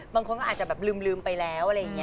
บางคนก็อาจจะลืมไปแล้ว